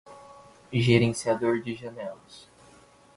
gerenciador de janelas